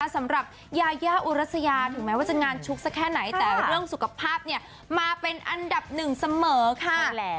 สำหรับยายาอุรัสยาถึงแม้ว่าจะงานชุกสักแค่ไหนแต่เรื่องสุขภาพเนี่ยมาเป็นอันดับหนึ่งเสมอค่ะ